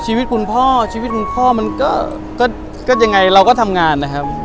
ชีวิตคุณพ่อชีวิตคุณพ่อมันก็ยังไงเราก็ทำงานนะครับ